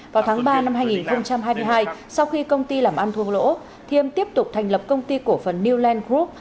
vào tháng ba năm hai nghìn hai mươi hai sau khi công ty làm ăn thua lỗ thiêm tiếp tục thành lập công ty cổ phần new land group